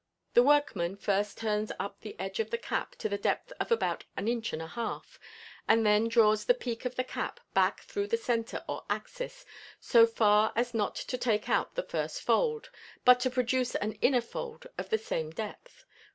The workman first turns up the edge of the cap to the depth of about an inch and a half; and then draws the peak of the cap back through the centre or axis so far as not to take out the first fold, but to produce an inner fold of the same depth.